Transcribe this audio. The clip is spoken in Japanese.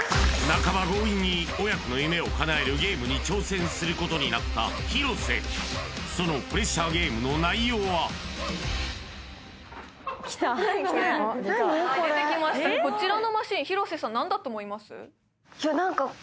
半ば強引に親子の夢を叶えるゲームに挑戦することになった広瀬そのプレッシャーゲームの内容は広瀬さん